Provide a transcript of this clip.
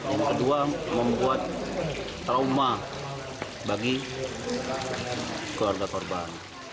yang kedua membuat trauma bagi keluarga korban